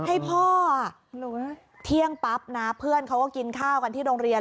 ให้พ่อเที่ยงปั๊บนะเพื่อนเขาก็กินข้าวกันที่โรงเรียน